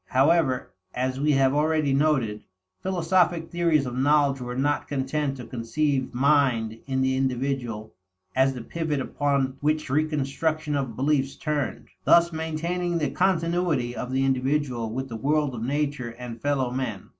However, as we have already noted, philosophic theories of knowledge were not content to conceive mind in the individual as the pivot upon which reconstruction of beliefs turned, thus maintaining the continuity of the individual with the world of nature and fellow men.